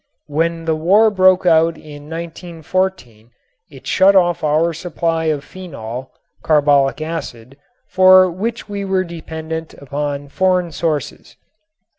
When the war broke out in 1914 it shut off our supply of phenol (carbolic acid) for which we were dependent upon foreign sources.